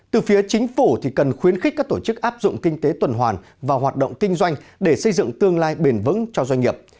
từ phía chính phủ thì cần khuyến khích các tổ chức áp dụng kinh tế tuần hoàn và hoạt động kinh doanh để xây dựng tương lai bền vững cho doanh nghiệp